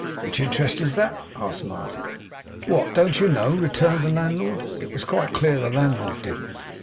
'Which interest is that?' asked Martin. 'What, don't you know!' returned the landlord. It was quite clear the landlord didn't.